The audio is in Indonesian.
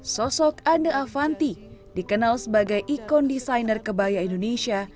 sosok anne avanti dikenal sebagai ikon desainer kebaya indonesia